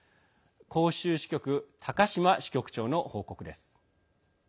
広州支局、高島支局長の報告です。